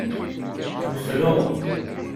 Nefleɣ.